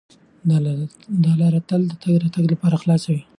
دا لاره تل د تګ راتګ لپاره خلاصه وي.